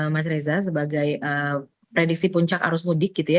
mas reza sebagai prediksi puncak arus mudik gitu ya